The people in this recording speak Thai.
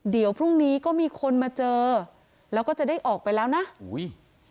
เดี๋ยวพรุ่งนี้ก็มีคนมาเจอแล้วก็จะได้ออกไปแล้วนะอุ้ย